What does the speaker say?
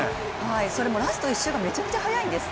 それもラスト１周がめちゃくちゃ速いんです。